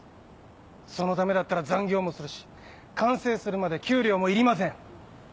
そのためだったら残業もするし完成するまで給料もいりません。